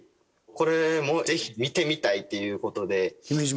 これもぜひ見てみたいっていう事で。